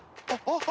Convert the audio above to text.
あっ。